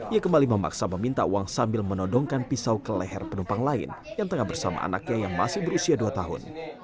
ia kembali memaksa meminta uang sambil menodongkan pisau ke leher penumpang lain yang tengah bersama anaknya yang masih berusia dua tahun